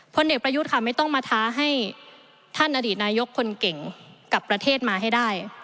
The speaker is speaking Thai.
เด็กประยุทธ์ค่ะไม่ต้องมาท้าให้ท่านอดีตนายกคนเก่งกลับประเทศมาให้ได้